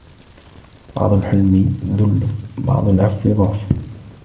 بعض الحلم ذل بعض العفو ضعف